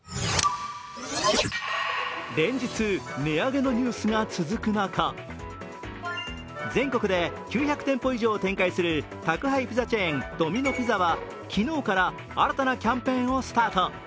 連日、値上げのニュースが続く中全国で９００店舗以上を展開する宅配ピザチェーン、ドミノ・ピザは昨日から新たなキャンペーンをスタート。